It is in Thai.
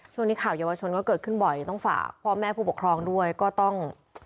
ช่วงนี้ข่าวเยาวชนก็เกิดขึ้นบ่อยต้องฝากพ่อแม่ผู้ปกครองด้วยก็ต้อง